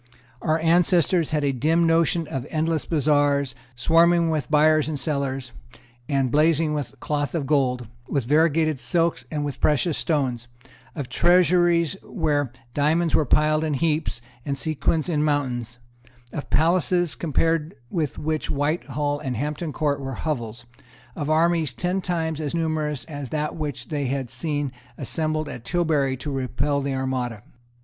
Our ancestors had a dim notion of endless bazaars, swarming with buyers and sellers, and blazing with cloth of gold, with variegated silks and with precious stones; of treasuries where diamonds were piled in heaps and sequins in mountains; of palaces, compared with which Whitehall and Hampton Court were hovels; of armies ten times as numerous as that which they had seen assembled at Tilbury to repel the Armada.